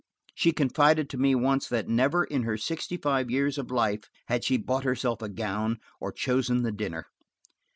She confided to me once that never in her sixty five years of life had she bought herself a gown, or chosen the dinner.